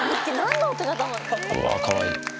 うわー、かわいい。